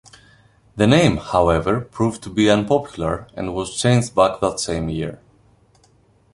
The name, however, proved to be unpopular and was changed back that same year.